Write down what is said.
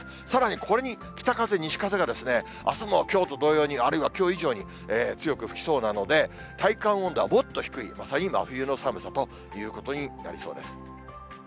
さらにこれに北風、西風が、あすもきょうと同様に、あるいはきょう以上に強く吹きそうなので、体感温度はもっと低い、まさに真冬の寒さということになりそうです。